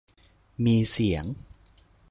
มีเสียง